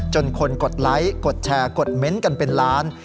จนคนกดไลค์กดแชร์กดเม้นต์กันเป็นล้าน